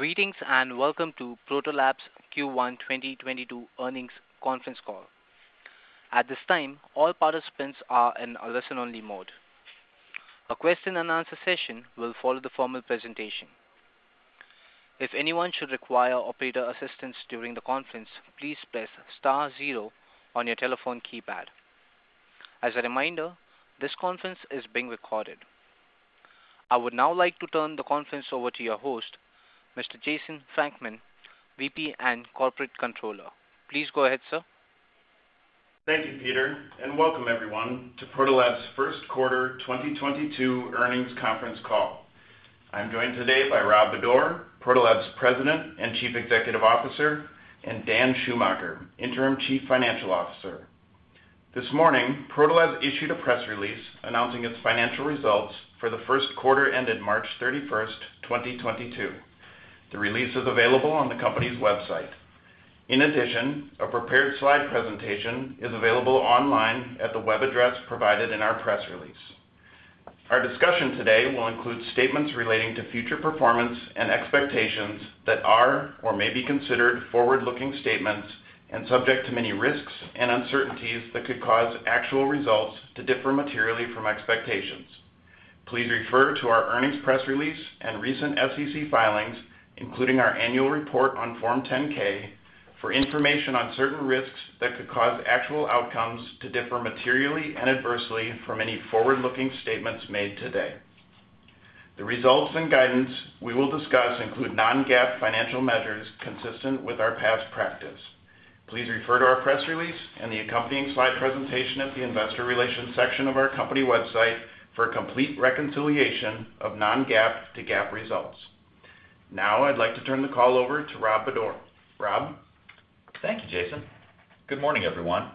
Greetings, and welcome to Protolabs Q1 2022 earnings conference call. At this time, all participants are in a listen-only mode. A question and answer session will follow the formal presentation. If anyone should require operator assistance during the conference, please press *0 on your telephone keypad. As a reminder, this conference is being recorded. I would now like to turn the conference over to your host, Mr. Jason Frankman, VP and Corporate Controller. Please go ahead, sir. Thank you, Peter, and welcome everyone to Protolabs first quarter 2022 earnings conference call. I'm joined today by Robert Bodor, Protolabs President and Chief Executive Officer, and Dan Schumacher, Interim Chief Financial Officer. This morning, Protolabs issued a press release announcing its financial results for the first quarter ended March 31, 2022. The release is available on the company's website. In addition, a prepared slide presentation is available online at the web address provided in our press release. Our discussion today will include statements relating to future performance and expectations that are or may be considered forward-looking statements and subject to many risks and uncertainties that could cause actual results to differ materially from expectations. Please refer to our earnings press release and recent SEC filings, including our annual report on Form 10-K for information on certain risks that could cause actual outcomes to differ materially and adversely from any forward-looking statements made today. The results and guidance we will discuss include non-GAAP financial measures consistent with our past practice. Please refer to our press release and the accompanying slide presentation at the investor relations section of our company website for complete reconciliation of non-GAAP to GAAP results. Now I'd like to turn the call over to Rob Bodor. Rob. Thank you, Jason. Good morning, everyone,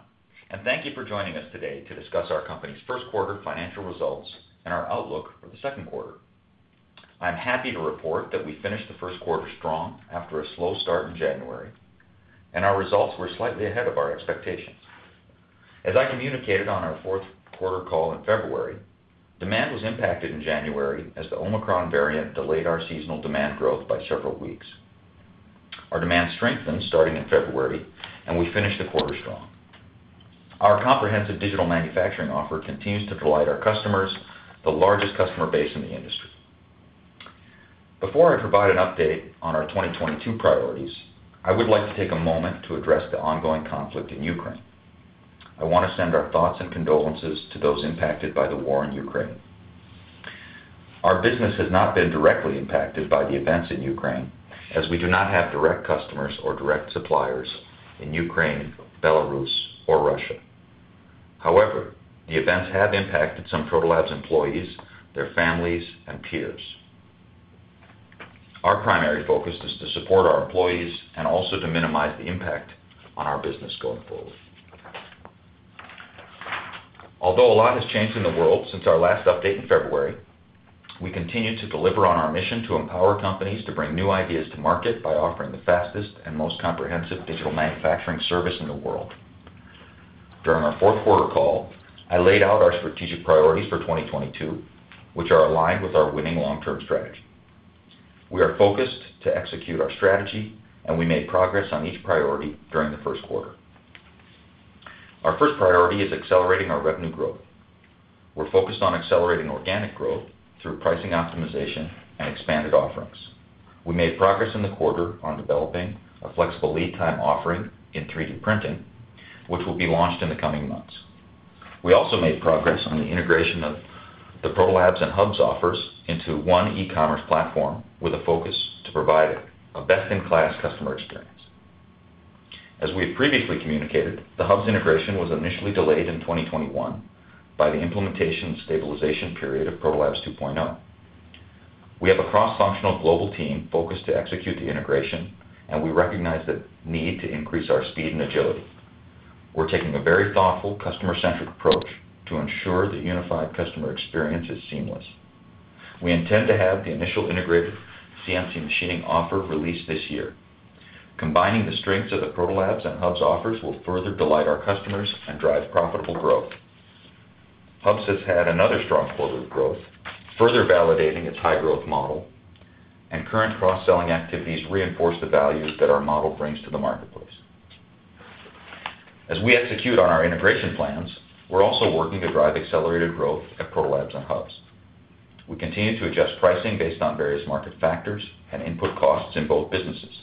and thank you for joining us today to discuss our company's first quarter financial results and our outlook for the second quarter. I'm happy to report that we finished the first quarter strong after a slow start in January, and our results were slightly ahead of our expectations. As I communicated on our fourth quarter call in February, demand was impacted in January as the Omicron variant delayed our seasonal demand growth by several weeks. Our demand strengthened starting in February, and we finished the quarter strong. Our comprehensive digital manufacturing offer continues to delight our customers, the largest customer base in the industry. Before I provide an update on our 2022 priorities, I would like to take a moment to address the ongoing conflict in Ukraine. I want to send our thoughts and condolences to those impacted by the war in Ukraine. Our business has not been directly impacted by the events in Ukraine as we do not have direct customers or direct suppliers in Ukraine, Belarus or Russia. However, the events have impacted some Protolabs employees, their families and peers. Our primary focus is to support our employees and also to minimize the impact on our business going forward. Although a lot has changed in the world since our last update in February, we continue to deliver on our mission to empower companies to bring new ideas to market by offering the fastest and most comprehensive digital manufacturing service in the world. During our fourth quarter call, I laid out our strategic priorities for 2022, which are aligned with our winning long-term strategy. We are focused to execute our strategy, and we made progress on each priority during the first quarter. Our first priority is accelerating our revenue growth. We're focused on accelerating organic growth through pricing optimization and expanded offerings. We made progress in the quarter on developing a flexible lead time offering in 3D printing, which will be launched in the coming months. We also made progress on the integration of the Protolabs and Hubs offers into one e-commerce platform with a focus to provide a best-in-class customer experience. As we have previously communicated, the Hubs integration was initially delayed in 2021 by the implementation and stabilization period of Protolabs 2.0. We have a cross-functional global team focused to execute the integration, and we recognize the need to increase our speed and agility. We're taking a very thoughtful customer-centric approach to ensure the unified customer experience is seamless. We intend to have the initial integrated CNC machining offer released this year. Combining the strengths of the Protolabs and Hubs offers will further delight our customers and drive profitable growth. Hubs has had another strong quarter of growth, further validating its high-growth model, and current cross-selling activities reinforce the value that our model brings to the marketplace. As we execute on our integration plans, we're also working to drive accelerated growth at Protolabs and Hubs. We continue to adjust pricing based on various market factors and input costs in both businesses.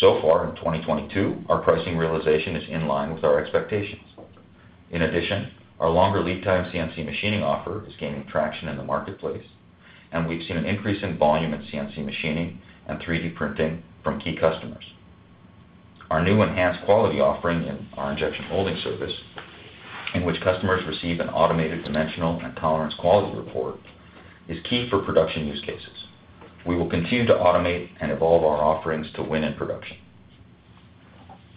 Far in 2022, our pricing realization is in line with our expectations. In addition, our longer lead time CNC machining offer is gaining traction in the marketplace, and we've seen an increase in volume at CNC machining and 3D printing from key customers. Our new enhanced quality offering in our injection molding service, in which customers receive an automated dimensional and tolerance quality report, is key for production use cases. We will continue to automate and evolve our offerings to win in production.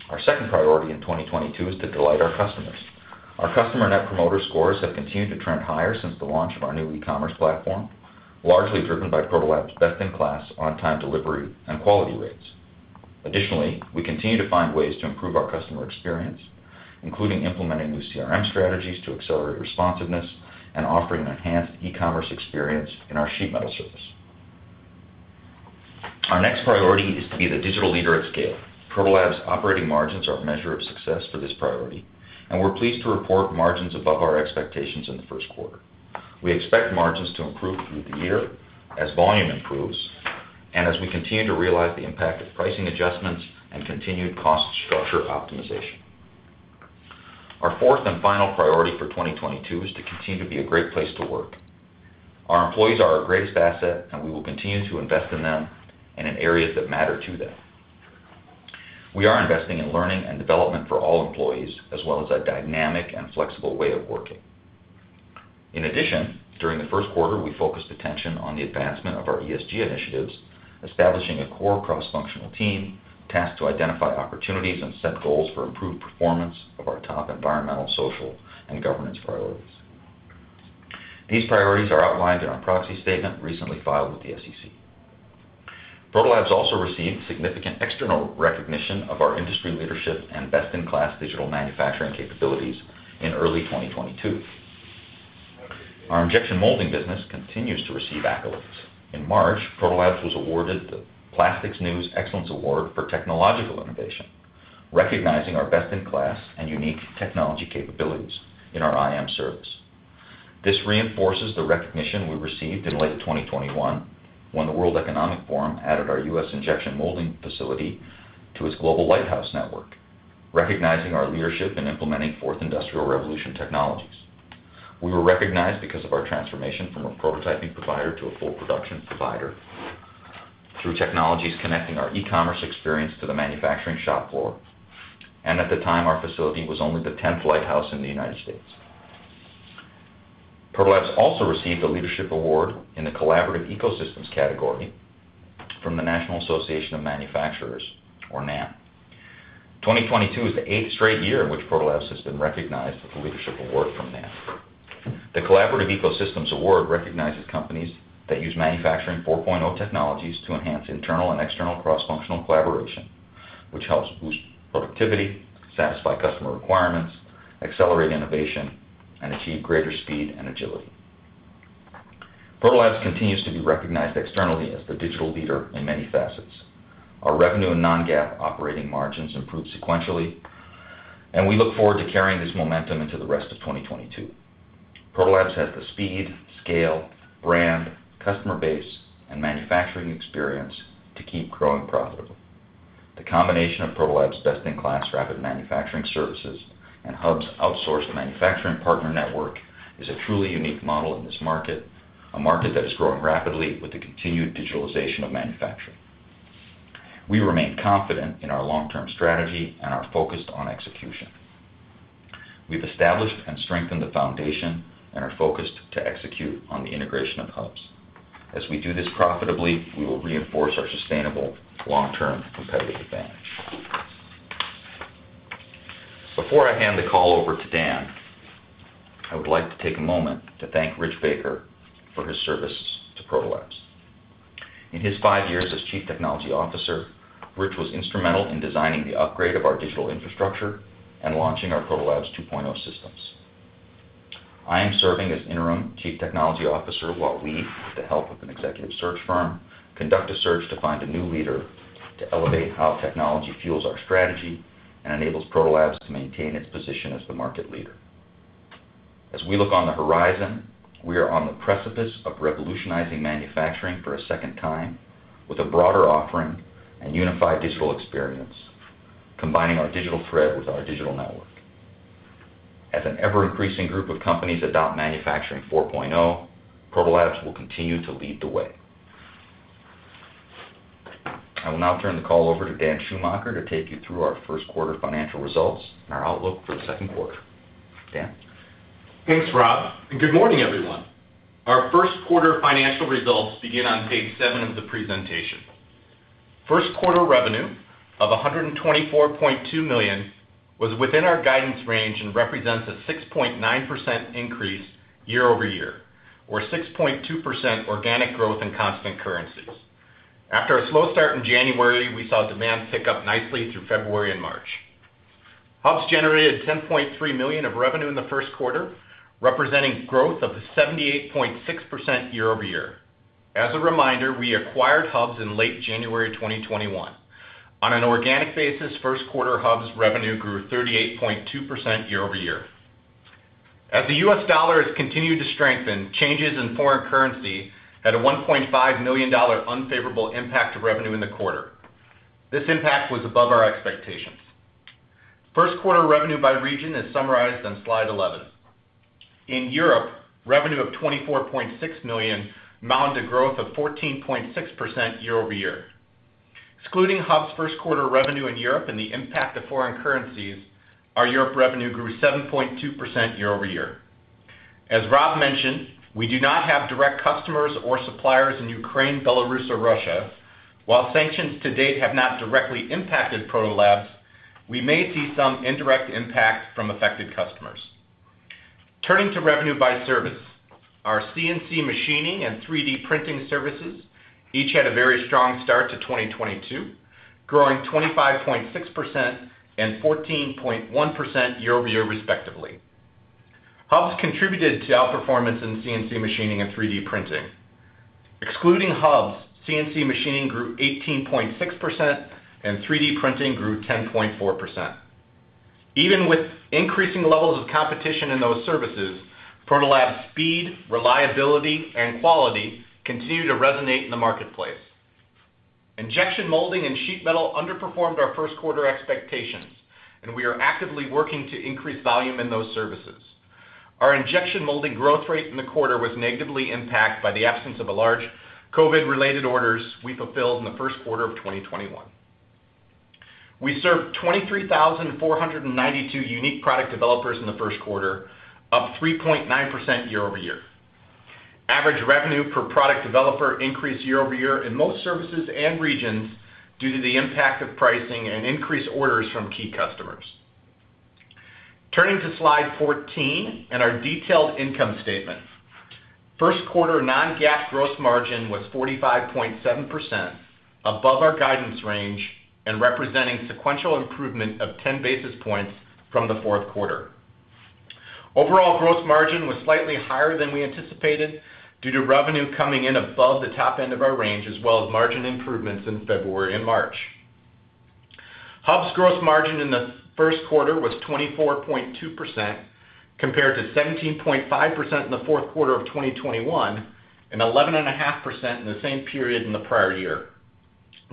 Our second priority in 2022 is to delight our customers. Our customer Net Promoter Scores have continued to trend higher since the launch of our new e-commerce platform, largely driven by Protolabs best-in-class on-time delivery and quality rates. Additionally, we continue to find ways to improve our customer experience, including implementing new CRM strategies to accelerate responsiveness and offering an enhanced e-commerce experience in our sheet metal service. Our next priority is to be the digital leader at scale. Proto Labs operating margins are a measure of success for this priority, and we're pleased to report margins above our expectations in the first quarter. We expect margins to improve through the year as volume improves and as we continue to realize the impact of pricing adjustments and continued cost structure optimization. Our fourth and final priority for 2022 is to continue to be a great place to work. Our employees are our greatest asset, and we will continue to invest in them and in areas that matter to them. We are investing in learning and development for all employees, as well as a dynamic and flexible way of working. In addition, during the first quarter we focused attention on the advancement of our ESG initiatives, establishing a core cross-functional team tasked to identify opportunities and set goals for improved performance of our top environmental, social, and governance priorities. These priorities are outlined in our proxy statement recently filed with the SEC. Proto Labs also received significant external recognition of our industry leadership and best-in-class digital manufacturing capabilities in early 2022. Our injection molding business continues to receive accolades. In March, Proto Labs was awarded the Plastics News Excellence Award for technological innovation, recognizing our best-in-class and unique technology capabilities in our IM service. This reinforces the recognition we received in late 2021 when the World Economic Forum added our U.S. injection molding facility to its Global Lighthouse Network, recognizing our leadership in implementing fourth industrial revolution technologies. We were recognized because of our transformation from a prototyping provider to a full production provider through technologies connecting our e-commerce experience to the manufacturing shop floor. At the time, our facility was only the 10th Lighthouse in the United States. Protolabs also received a leadership award in the Collaborative Ecosystems category from the National Association of Manufacturers, or NAM. 2022 is the eighth straight year in which Protolabs has been recognized with a leadership award from NAM. The Collaborative Ecosystems Award recognizes companies that use Manufacturing 4.0 technologies to enhance internal and external cross-functional collaboration, which helps boost productivity, satisfy customer requirements, accelerate innovation, and achieve greater speed and agility. Protolabs continues to be recognized externally as the digital leader in many facets. Our revenue and non-GAAP operating margins improved sequentially, and we look forward to carrying this momentum into the rest of 2022. Protolabs has the speed, scale, brand, customer base, and manufacturing experience to keep growing profitably. The combination of Protolabs best-in-class rapid manufacturing services and Hubs outsourced manufacturing partner network is a truly unique model in this market, a market that is growing rapidly with the continued digitalization of manufacturing. We remain confident in our long-term strategy and are focused on execution. We've established and strengthened the foundation and are focused to execute on the integration of Hubs. As we do this profitably, we will reinforce our sustainable long-term competitive advantage. Before I hand the call over to Dan, I would like to take a moment to thank Rich Baker for his service to Protolabs. In his five years as Chief Technology Officer, Rich was instrumental in designing the upgrade of our digital infrastructure and launching our Protolabs 2.0 systems. I am serving as interim Chief Technology Officer while we, with the help of an executive search firm, conduct a search to find a new leader to elevate how technology fuels our strategy and enables Protolabs to maintain its position as the market leader. As we look on the horizon, we are on the precipice of revolutionizing manufacturing for a second time with a broader offering and unified digital experience, combining our digital thread with our digital network. As an ever-increasing group of companies adopt Manufacturing 4.0, Protolabs will continue to lead the way. I will now turn the call over to Dan Schumacher to take you through our first quarter financial results and our outlook for the second quarter. Dan? Thanks, Rob, and good morning, everyone. Our first quarter financial results begin on page seven of the presentation. First quarter revenue of $124.2 million was within our guidance range and represents a 6.9% increase year-over-year, or 6.2% organic growth in constant currencies. After a slow start in January, we saw demand pick up nicely through February and March. Hubs generated $10.3 million of revenue in the first quarter, representing growth of 78.6% year-over-year. As a reminder, we acquired Hubs in late January 2021. On an organic basis, first quarter Hubs revenue grew 38.2% year-over-year. As the US dollar has continued to strengthen, changes in foreign currency had a $1.5 million unfavorable impact to revenue in the quarter. This impact was above our expectations. First quarter revenue by region is summarized on slide 11. In Europe, revenue of $24.6 million mounted growth of 14.6% year-over-year. Excluding Hubs first quarter revenue in Europe and the impact of foreign currencies, our Europe revenue grew 7.2% year-over-year. As Rob mentioned, we do not have direct customers or suppliers in Ukraine, Belarus, or Russia. While sanctions to date have not directly impacted Protolabs, we may see some indirect impact from affected customers. Turning to revenue by service. Our CNC machining and 3D printing services each had a very strong start to 2022, growing 25.6% and 14.1% year-over-year respectively. Hubs contributed to outperformance in CNC machining and 3D printing. Excluding Hubs, CNC machining grew 18.6% and 3D printing grew 10.4%. Even with increasing levels of competition in those services, Protolabs' speed, reliability, and quality continue to resonate in the marketplace. Injection molding and sheet metal underperformed our first quarter expectations, and we are actively working to increase volume in those services. Our injection molding growth rate in the quarter was negatively impacted by the absence of a large COVID-related orders we fulfilled in the first quarter of 2021. We served 23,492 unique product developers in the first quarter, up 3.9% year over year. Average revenue per product developer increased year over year in most services and regions due to the impact of pricing and increased orders from key customers. Turning to slide 14 and our detailed income statement. First quarter non-GAAP gross margin was 45.7%, above our guidance range and representing sequential improvement of 10 basis points from the fourth quarter. Overall gross margin was slightly higher than we anticipated due to revenue coming in above the top end of our range, as well as margin improvements in February and March. Hubs gross margin in the first quarter was 24.2% compared to 17.5% in the fourth quarter of 2021 and 11.5% in the same period in the prior year.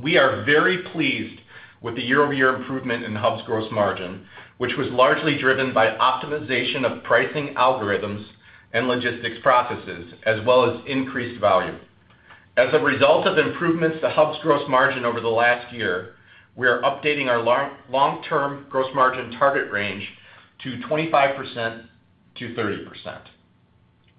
We are very pleased with the year-over-year improvement in Hubs gross margin, which was largely driven by optimization of pricing algorithms and logistics processes, as well as increased volume. As a result of improvements to Hubs' gross margin over the last year, we are updating our long-term gross margin target range to 25%-30%.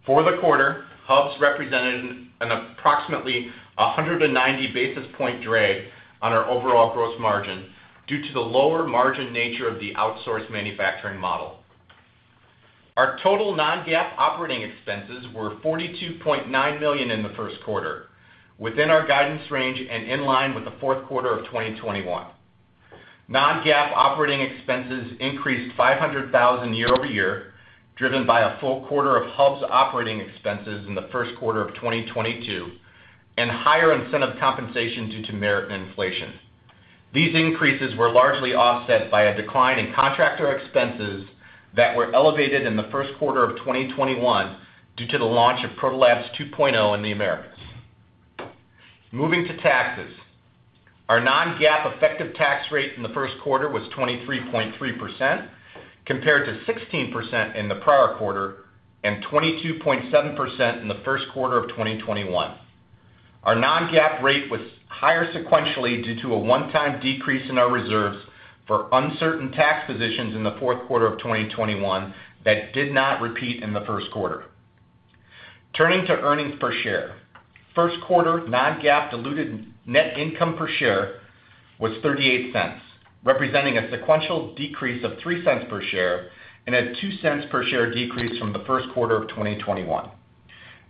For the quarter, Hubs represented approximately 190 basis points drag on our overall gross margin due to the lower margin nature of the outsourced manufacturing model. Our total non-GAAP operating expenses were $42.9 million in the first quarter, within our guidance range and in line with the fourth quarter of 2021. Non-GAAP operating expenses increased $500 thousand year-over-year, driven by a full quarter of Hubs operating expenses in the first quarter of 2022 and higher incentive compensation due to merit inflation. These increases were largely offset by a decline in contractor expenses that were elevated in the first quarter of 2021 due to the launch of Protolabs 2.0 in the Americas. Moving to taxes. Our non-GAAP effective tax rate in the first quarter was 23.3% compared to 16% in the prior quarter, and 22.7% in the first quarter of 2021. Our non-GAAP rate was higher sequentially due to a one-time decrease in our reserves for uncertain tax positions in the fourth quarter of 2021 that did not repeat in the first quarter. Turning to earnings per share. First quarter non-GAAP diluted net income per share was $0.38, representing a sequential decrease of $0.03 per share and a $0.02 per share decrease from the first quarter of 2021.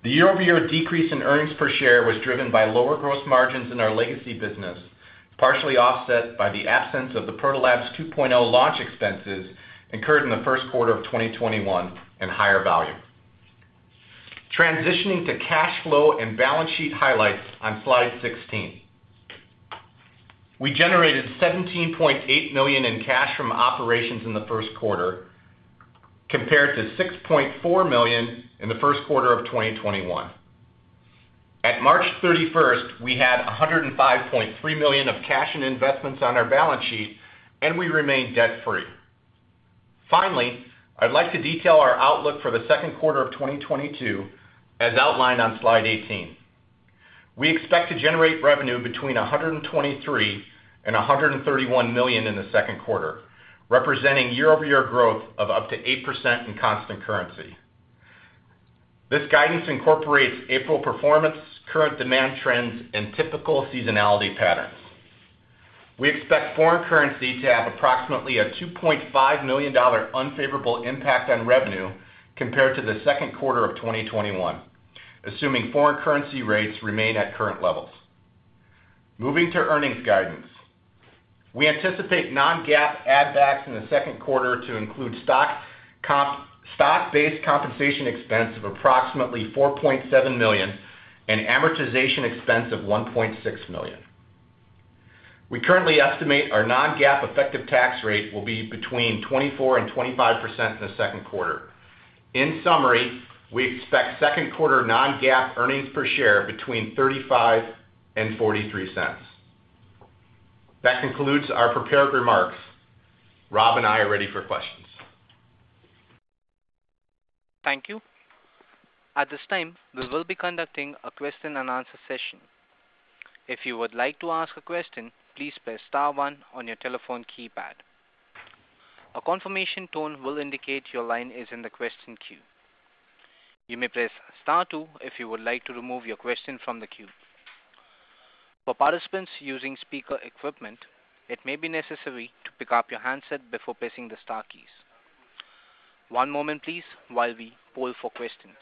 The year-over-year decrease in earnings per share was driven by lower gross margins in our legacy business, partially offset by the absence of the ProtoLabs 2.0 launch expenses incurred in the first quarter of 2021 and higher volume. Transitioning to cash flow and balance sheet highlights on slide 16. We generated $17.8 million in cash from operations in the first quarter compared to $6.4 million in the first quarter of 2021. At March 31, we had $105.3 million of cash and investments on our balance sheet, and we remain debt-free. Finally, I'd like to detail our outlook for the second quarter of 2022 as outlined on slide 18. We expect to generate revenue between $123 million and $131 million in the second quarter, representing year-over-year growth of up to 8% in constant currency. This guidance incorporates April performance, current demand trends, and typical seasonality patterns. We expect foreign currency to have approximately a $2.5 million unfavorable impact on revenue compared to the second quarter of 2021, assuming foreign currency rates remain at current levels. Moving to earnings guidance. We anticipate non-GAAP add backs in the second quarter to include stock-based compensation expense of approximately $4.7 million and amortization expense of $1.6 million. We currently estimate our non-GAAP effective tax rate will be between 24% and 25% in the second quarter. In summary, we expect second quarter non-GAAP earnings per share between $0.35 and $0.43. That concludes our prepared remarks. Rob and I are ready for questions. Thank you. At this time, we will be conducting a question and answer session. If you would like to ask a question, please press *1 on your telephone keypad. A confirmation tone will indicate your line is in the question queue. You may press *2 if you would like to remove your question from the queue. For participants using speaker equipment, it may be necessary to pick up your handset before pressing the * keys. One moment please while we poll for questions.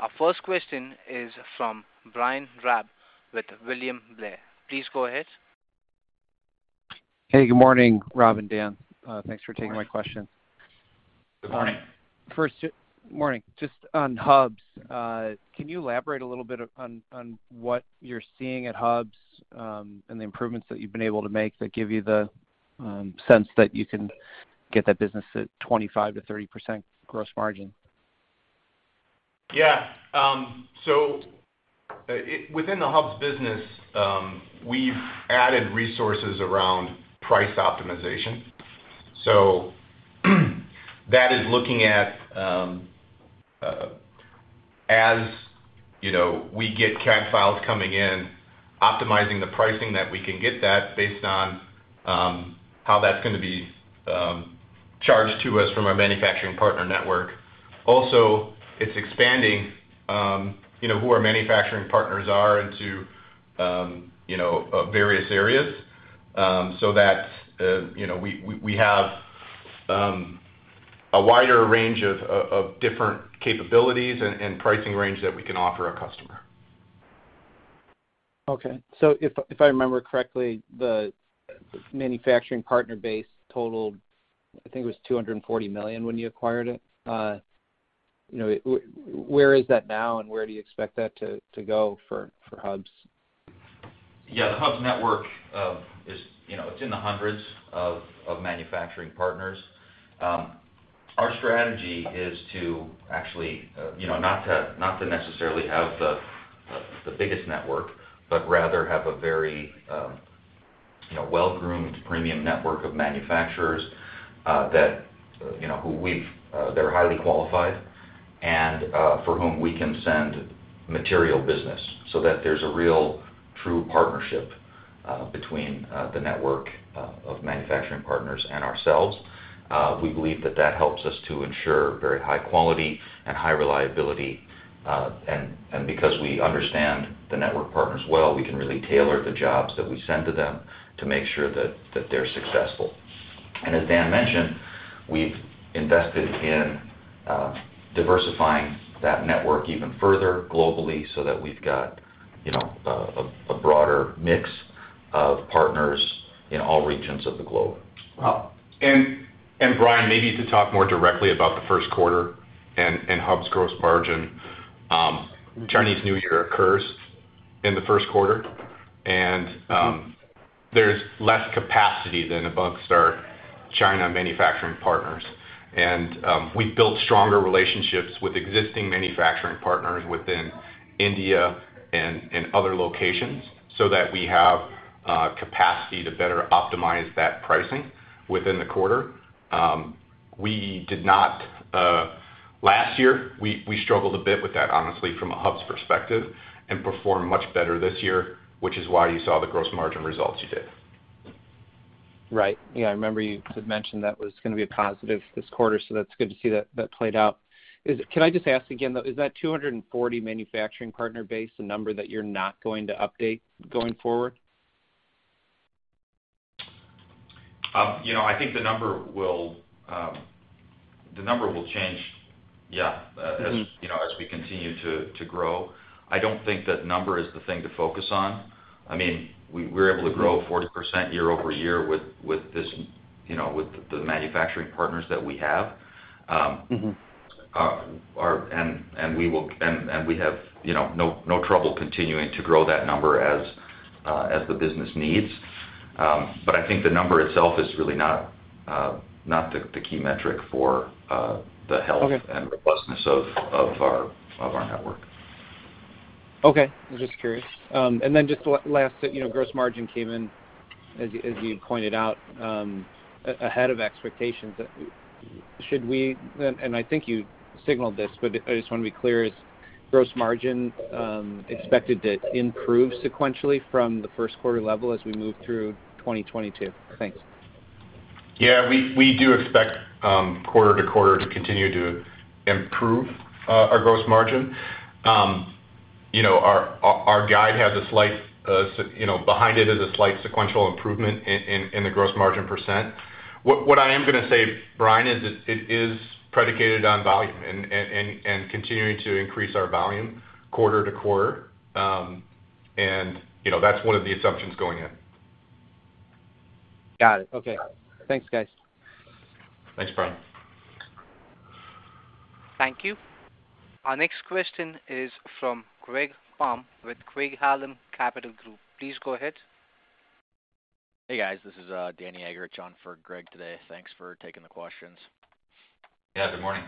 Our first question is from Brian Drab with William Blair. Please go ahead. Hey, good morning, Rob and Dan. Thanks for taking my question. Good morning. Just on Hubs, can you elaborate a little bit on what you're seeing at Hubs, and the improvements that you've been able to make that give you the sense that you can get that business at 25%-30% gross margin?. Within the Hubs business, we've added resources around price optimization. That is looking at, as you know, we get CAD files coming in, optimizing the pricing that we can get that based on how that's gonna be charged to us from our manufacturing partner network. Also, it's expanding, you know, who our manufacturing partners are into various areas, so that you know, we have a wider range of different capabilities and pricing range that we can offer our customer. If I remember correctly, the manufacturing partner base totaled $240 million when you acquired it. You know, where is that now, and where do you expect that to go for Hubs? The Hubs network is, you know, it's in the hundreds of manufacturing partners. Our strategy is to actually, you know, not to necessarily have the biggest network, but rather have a very, you know, well-groomed premium network of manufacturers that, you know, they're highly qualified and for whom we can send material business so that there's a real true partnership between the network of manufacturing partners and ourselves. We believe that helps us to ensure very high quality and high reliability and because we understand the network partners well, we can really tailor the jobs that we send to them to make sure that they're successful. As Dan mentioned, we've invested in diversifying that network even further globally so that we've got, you know, a broader mix of partners in all regions of the globe. Brian, maybe to talk more directly about the first quarter and Hubs' gross margin, Chinese New Year occurs in the first quarter. There's less capacity among our China manufacturing partners. We've built stronger relationships with existing manufacturing partners within India and other locations so that we have capacity to better optimize that pricing within the quarter. Last year, we struggled a bit with that, honestly, from a Hubs perspective and performed much better this year, which is why you saw the gross margin results you did. Right. I remember you had mentioned that was gonna be a positive this quarter, so that's good to see that played out. Can I just ask again, though, is that 240 manufacturing partner base the number that you're not going to update going forward? You know, I think the number will change, you know, as we continue to grow. I don't think that number is the thing to focus on. I mean, we're able to grow 40% year-over-year with this, you know, with the manufacturing partners that we have, you know, no trouble continuing to grow that number as the business needs. I think the number itself is really not the key metric for the health. Okay. Robustness of our network. Okay. I was just curious. Just lastly, that you know, gross margin came in, as you pointed out, ahead of expectations. I think you signaled this, but I just wanna be clear. Is gross margin expected to improve sequentially from the first quarter level as we move through 2022? Thanks. We do expect quarter to quarter to continue to improve our gross margin. You know, our guide has a slight you know behind it is a slight sequential improvement in the gross margin %. What I am gonna say, Brian, is it is predicated on volume and continuing to increase our volume quarter to quarter. You know, that's one of the assumptions going in. Got it. Okay. Thanks, guys. Thanks, Brian. Thank you. Our next question is from Greg Palm with Craig-Hallum Capital Group. Please go ahead. Hey, guys. This is Danny Eggerichs on for Greg today. Thanks for taking the questions. Good morning.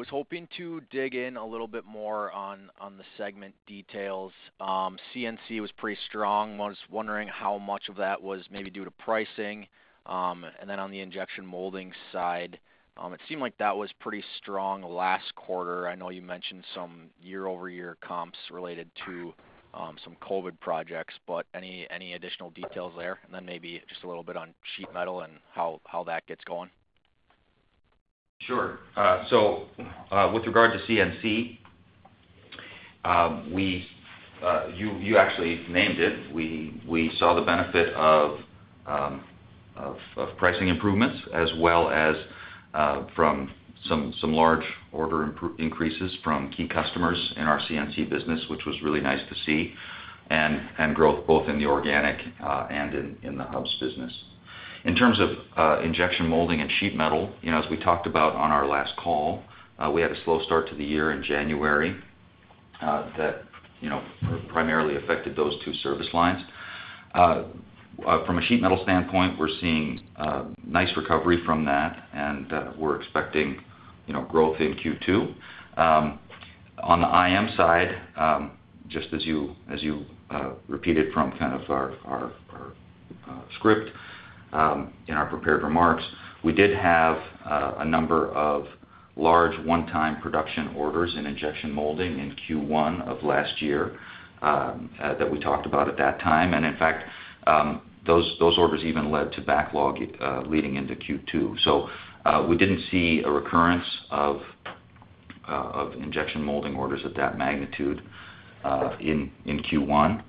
Was hoping to dig in a little bit more on the segment details. CNC was pretty strong. I was wondering how much of that was maybe due to pricing. On the injection molding side, it seemed like that was pretty strong last quarter. I know you mentioned some year-over-year comps related to some COVID projects, but any additional details there? Maybe just a little bit on sheet metal and how that gets going. Sure. With regard to CNC, you actually named it. We saw the benefit of pricing improvements as well as from some large order increases from key customers in our CNC business, which was really nice to see, and growth both in the organic and in the Hubs business. In terms of injection molding and sheet metal, you know, as we talked about on our last call, we had a slow start to the year in January, that you know, primarily affected those two service lines. From a sheet metal standpoint, we're seeing nice recovery from that, and we're expecting, you know, growth in Q2. On the IM side, just as you repeated from kind of our script in our prepared remarks, we did have a number of large one-time production orders in injection molding in Q1 of last year that we talked about at that time. In fact, those orders even led to backlog leading into Q2. We didn't see a recurrence of injection molding orders of that magnitude in Q1.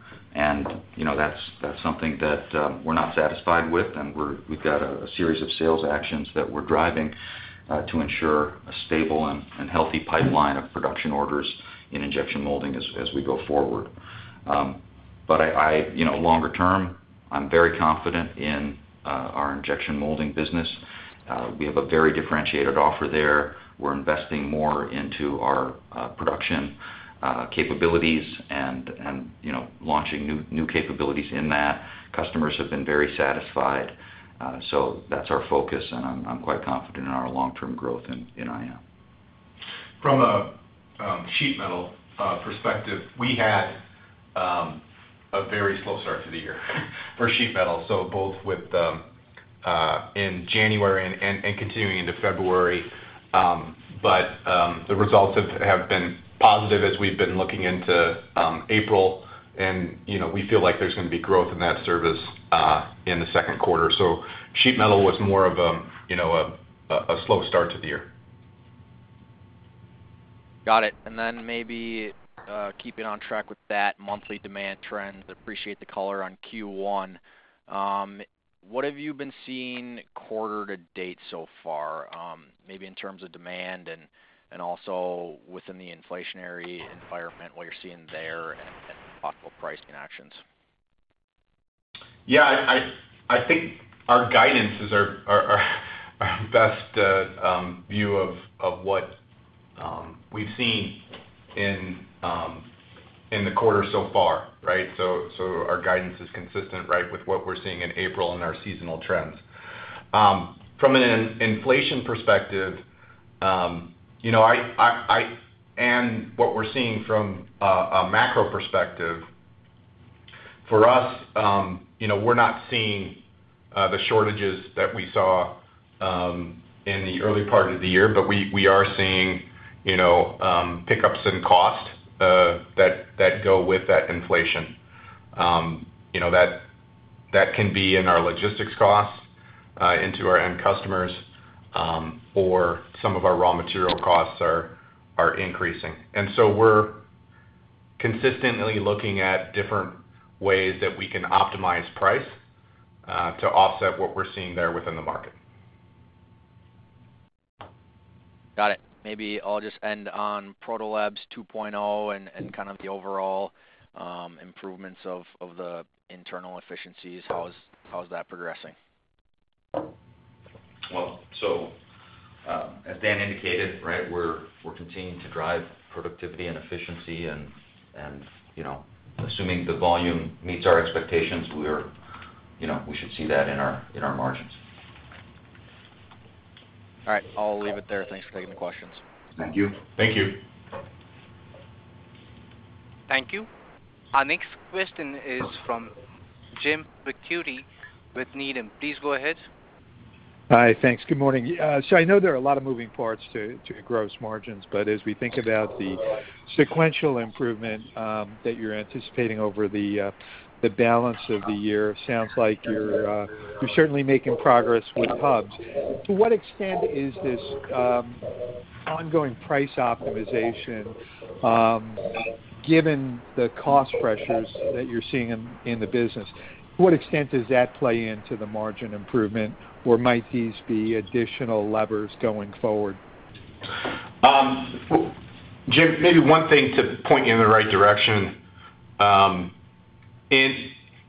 You know, that's something that we're not satisfied with, and we've got a series of sales actions that we're driving to ensure a stable and healthy pipeline of production orders in injection molding as we go forward. You know, longer term, I'm very confident in our injection molding business. We have a very differentiated offer there. We're investing more into our production capabilities and, you know, launching new capabilities in that. Customers have been very satisfied, so that's our focus, and I'm quite confident in our long-term growth in IM. From a sheet metal perspective, we had a very slow start to the year for sheet metal, so both in January and continuing into February. The results have been positive as we've been looking into April and, you know, we feel like there's gonna be growth in that service in the second quarter. Sheet metal was more of, you know, a slow start to the year. Got it. Then maybe keeping on track with that monthly demand trend, appreciate the color on Q1. What have you been seeing quarter to date so far, maybe in terms of demand and also within the inflationary environment, what you're seeing there and possible pricing actions? I think our guidances are our best view of what we've seen in the quarter so far, right? Our guidance is consistent, right, with what we're seeing in April and our seasonal trends. From an inflation perspective, you know, what we're seeing from a macro perspective, for us, you know, we're not seeing the shortages that we saw in the early part of the year, but we are seeing, you know, pickups in cost that go with that inflation. You know, that can be in our logistics costs into our end customers, or some of our raw material costs are increasing. We're consistently looking at different ways that we can optimize price to offset what we're seeing there within the market. Got it. Maybe I'll just end on Protolabs 2.0 and kind of the overall improvements of the internal efficiencies. How is that progressing? Well, as Dan indicated, right, we're continuing to drive productivity and efficiency and you know, assuming the volume meets our expectations, you know, we should see that in our margins. All right. I'll leave it there. Thanks for taking the questions. Thank you. Thank you. Thank you. Our next question is from Jim Ricchiuti with Needham. Please go ahead. Hi. Thanks. Good morning. I know there are a lot of moving parts to gross margins, but as we think about the sequential improvement that you're anticipating over the balance of the year, sounds like you're certainly making progress with Hubs. To what extent is this ongoing price optimization given the cost pressures that you're seeing in the business? To what extent does that play into the margin improvement, or might these be additional levers going forward? Jim, maybe one thing to point you in the right direction is,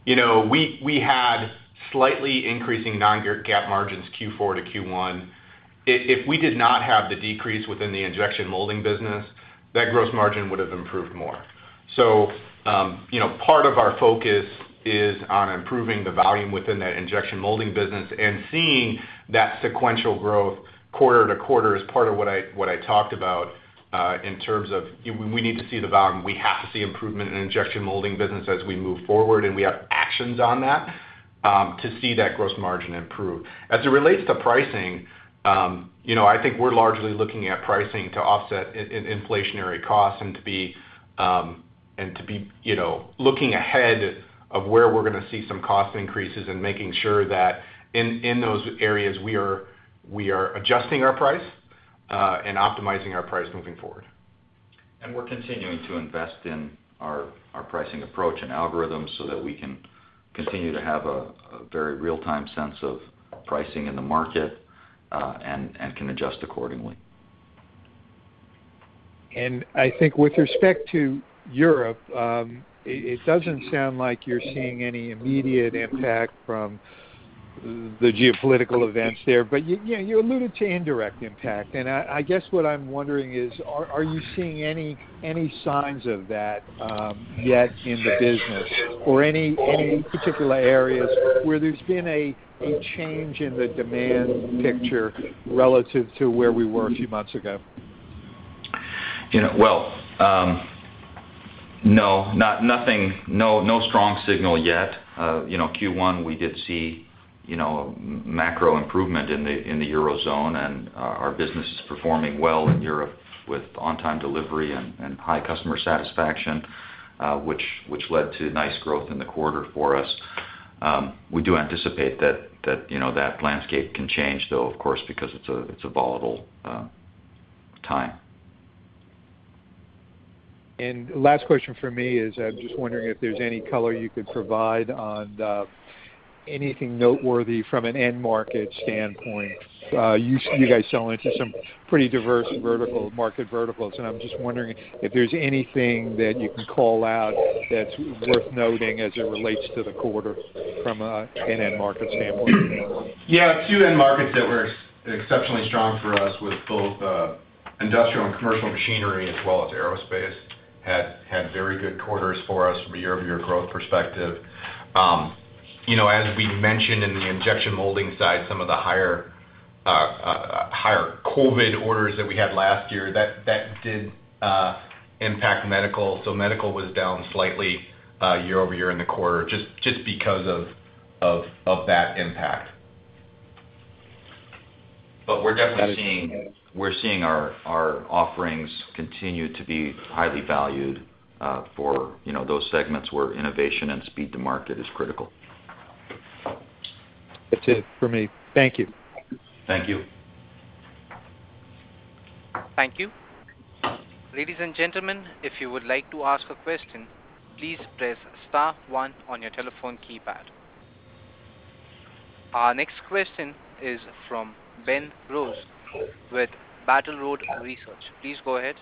you know, we had slightly increasing non-GAAP margins Q4 to Q1. If we did not have the decrease within the injection molding business, that gross margin would have improved more. You know, part of our focus is on improving the volume within that injection molding business and seeing that sequential growth quarter to quarter as part of what I talked about in terms of we need to see the volume. We have to see improvement in injection molding business as we move forward, and we have actions on that to see that gross margin improve. As it relates to pricing, you know, I think we're largely looking at pricing to offset inflationary costs and to be looking ahead of where we're gonna see some cost increases and making sure that in those areas, we are adjusting our price and optimizing our price moving forward. We're continuing to invest in our pricing approach and algorithms so that we can continue to have a very real-time sense of pricing in the market, and can adjust accordingly. I think with respect to Europe, it doesn't sound like you're seeing any immediate impact from the geopolitical events there, but you alluded to indirect impact. I guess what I'm wondering is, are you seeing any signs of that yet in the business or any particular areas where there's been a change in the demand picture relative to where we were a few months ago? You know, well, no. Nothing, no strong signal yet. You know, Q1, we did see, you know, macro improvement in the Eurozone and our business is performing well in Europe with on-time delivery and high customer satisfaction, which led to nice growth in the quarter for us. We do anticipate that you know, that landscape can change, though, of course, because it's a volatile time. Last question from me is I'm just wondering if there's any color you could provide on anything noteworthy from an end market standpoint. You guys sell into some pretty diverse vertical market verticals, and I'm just wondering if there's anything that you can call out that's worth noting as it relates to the quarter from an end market standpoint. Two end markets that were exceptionally strong for us with both industrial and commercial machinery as well as aerospace had very good quarters for us from a year-over-year growth perspective. You know, as we mentioned in the injection molding side, some of the higher COVID orders that we had last year that did impact medical. Medical was down slightly year-over-year in the quarter just because of that impact. We're seeing our offerings continue to be highly valued, for, you know, those segments where innovation and speed to market is critical. That's it for me. Thank you. Thank you. Thank you. Ladies and gentlemen, if you would like to ask a question, please press star one on your telephone keypad. Our next question is from Ben Rose with Battle Road Research. Please go ahead.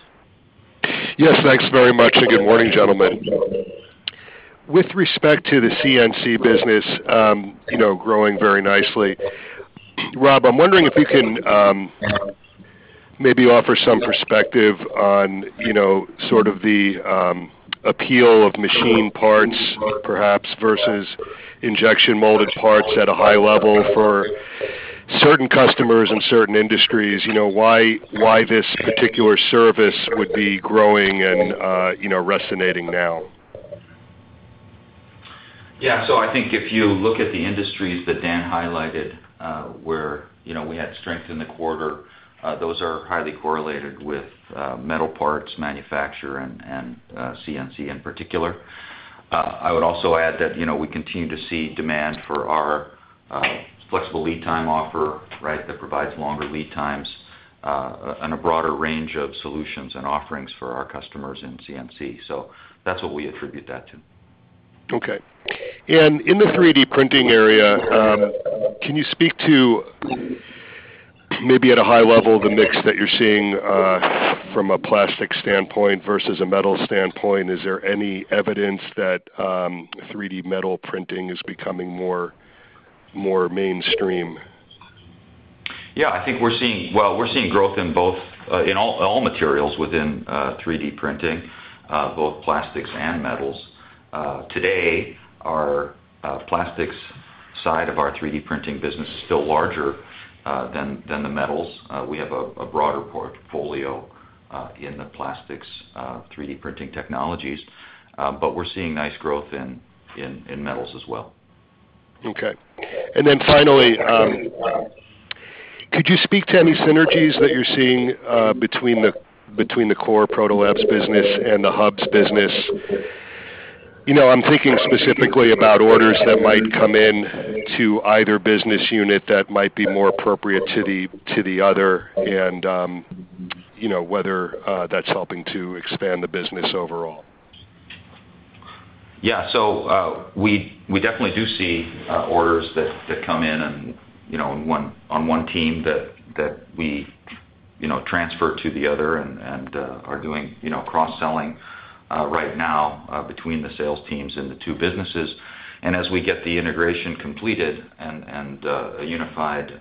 Yes, thanks very much, and good morning, gentlemen. With respect to the CNC business, you know, growing very nicely, Rob, I'm wondering if you can maybe offer some perspective on, you know, sort of the appeal of machined parts perhaps versus injection-molded parts at a high level for certain customers and certain industries, you know, why this particular service would be growing and, you know, resonating now? I think if you look at the industries that Dan highlighted, where, you know, we had strength in the quarter, those are highly correlated with metal parts manufacture and CNC in particular. I would also add that, you know, we continue to see demand for our flexible lead time offer, right, that provides longer lead times and a broader range of solutions and offerings for our customers in CNC. That's what we attribute that to. Okay. In the 3D printing area, can you speak to maybe at a high level the mix that you're seeing, from a plastic standpoint versus a metal standpoint? Is there any evidence that 3D metal printing is becoming more mainstream? I think we're seeing. Well, we're seeing growth in both in all materials within 3D printing both plastics and metals. Today, our plastics side of our 3D printing business is still larger than the metals. We have a broader portfolio in the plastics 3D printing technologies, but we're seeing nice growth in metals as well. Okay. Finally, could you speak to any synergies that you're seeing between the core Protolabs business and the Hubs business? You know, I'm thinking specifically about orders that might come in to either business unit that might be more appropriate to the other and, you know, whether that's helping to expand the business overall. We definitely do see orders that come in and, you know, one on one team that we, you know, transfer to the other and are doing, you know, cross-selling right now between the sales teams and the two businesses. As we get the integration completed and a unified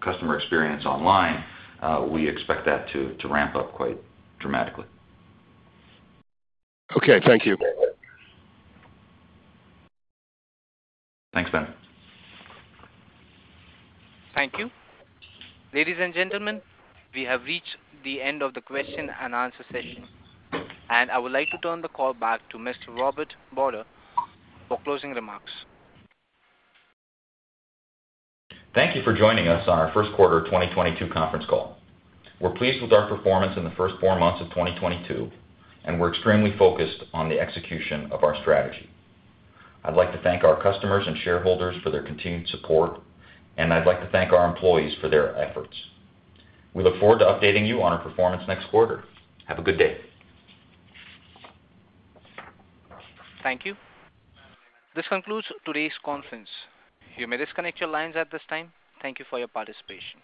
customer experience online, we expect that to ramp up quite dramatically. Okay, thank you. Thanks, Ben. Thank you. Ladies and gentlemen, we have reached the end of the question and answer session, and I would like to turn the call back to Mr. Robert Bodor for closing remarks. Thank you for joining us on our first quarter of 2022 conference call. We're pleased with our performance in the first four months of 2022, and we're extremely focused on the execution of our strategy. I'd like to thank our customers and shareholders for their continued support, and I'd like to thank our employees for their efforts. We look forward to updating you on our performance next quarter. Have a good day. Thank you. This concludes today's conference. You may disconnect your lines at this time. Thank you for your participation.